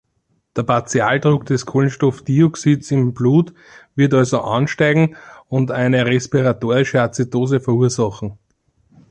Der Partialdruck des Kohlenstoffdioxids im Blut wird also ansteigen und eine respiratorische Azidose verursachen.